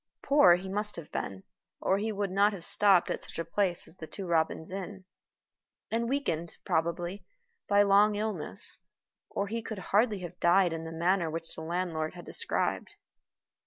Poor he must have been, or he would not have stopped at such a place as the Two Robins Inn; and weakened, probably, by long illness, or he could hardly have died in the manner which the landlord had described.